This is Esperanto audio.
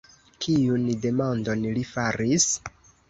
Kiun demandon li faris?